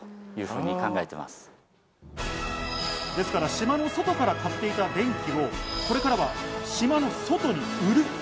島の外から買っていた電気を俺からは島の外に売る。